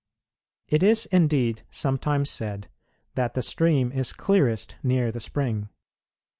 It is indeed sometimes said that the stream is clearest near the spring.